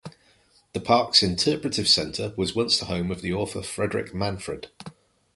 The park's interpretive center was once the home of the author Frederick Manfred.